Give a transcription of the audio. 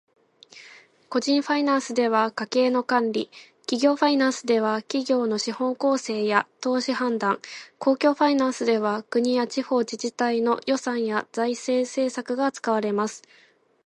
個人ファイナンスでは家計の管理、企業ファイナンスでは企業の資本構成や投資判断、公共ファイナンスでは国や地方自治体の予算や財政政策が扱われます。